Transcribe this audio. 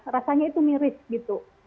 rasanya itu miris gitu